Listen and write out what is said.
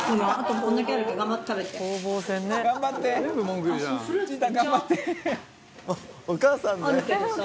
「もうお母さんね」